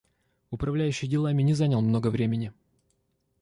Управляющий делами не занял много времени.